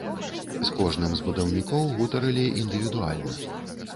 З кожным з будаўнікоў гутарылі індывідуальна.